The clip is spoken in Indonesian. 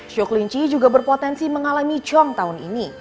show kelinci juga berpotensi mengalami cong tahun ini